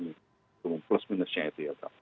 untuk plus minusnya itu ya pak